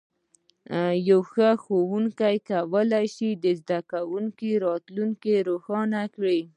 یو ښه ښوونکی کولی شي د زده کوونکي راتلونکی روښانه کړي.